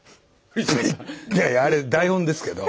いやあれ台本ですけど。